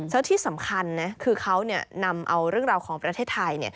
แล้วที่สำคัญนะคือเขานำเอาเรื่องราวของประเทศไทย